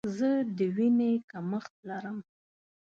زه د ویني کمښت لرم.